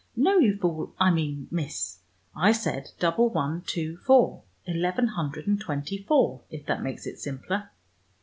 No, you fool, I mean Miss, I said double one two four, eleven hundred and twenty four, if that makes it simpler.